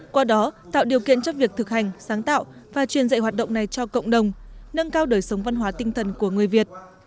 qua đó tạo điều kiện cho việc thực hành sáng tạo và truyền dạy hoạt động này cho cộng đồng nâng cao đời sống văn hóa tinh thần của người việt